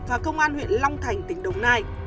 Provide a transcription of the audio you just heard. và công an huyện long thành tỉnh đồng nai